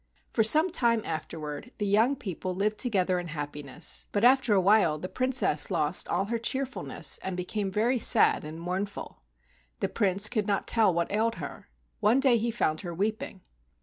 For some time afterward the young people lived together in happiness, but after a while the Princess lost all her cheerfulness and became very sad and mournful. The Prince could not tell what ailed her. One day he found her weeping.